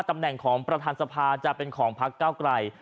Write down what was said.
ตำแหน่งของประธานสภาจะเป็นของพักเก้าไกล